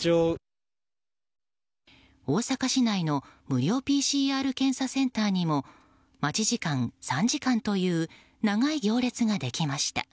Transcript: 大阪市内の無料ＰＣＲ検査センターにも待ち時間３時間という長い行列ができました。